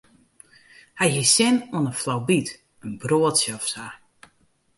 Hy hie sin oan in flaubyt, in broadsje of sa.